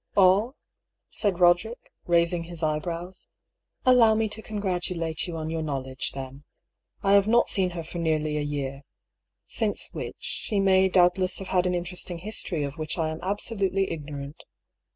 " All ?" said Roderick, raising his eyebrows. "Allow me to congratulate you on your knowledge, then. I have not seen her for nearly a year — since which she may doubtless have had an interesting history of which I am absolutely ignorant.